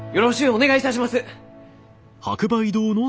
お願いいたします！